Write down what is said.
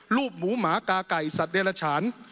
รูปหมูหมากาไก่สัตว์เดรฉาน